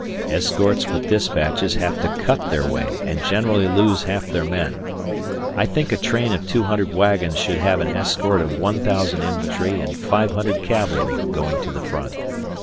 Escorts with dispatches have to cut their way and generally lose half their men. I think a train of 200 wagons should have an escort of one thousand infantry and 500 cavalry going to the front.